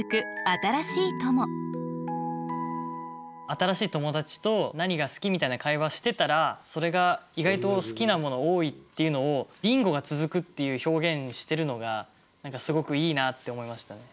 新しい友達と「何が好き？」みたいな会話してたらそれが意外と好きなものが多いっていうのを「ビンゴが続く」っていう表現してるのがすごくいいなって思いましたね。